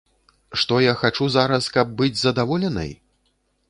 Што я хачу зараз, каб быць задаволенай?